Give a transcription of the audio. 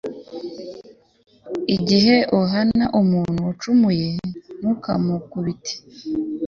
igihe uhana umuntu wacumuye nukamukubite